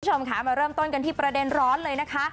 คุณผู้ชมค่ะมาเริ่มต้นกันที่ประเด็นร้อนเลยนะคะ